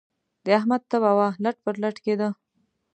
د احمد تبه وه؛ لټ پر لټ کېدی.